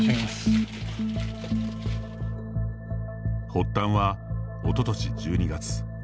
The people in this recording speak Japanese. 発端は、おととし１２月。